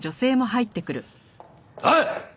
おい！